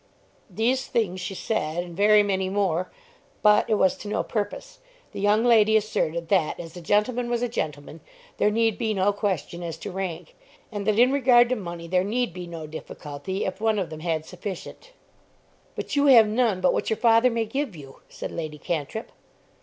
These things she said and very many more, but it was to no purpose. The young lady asserted that as the gentleman was a gentleman there need be no question as to rank, and that in regard to money there need be no difficulty if one of them had sufficient. "But you have none but what your father may give you," said Lady Cantrip.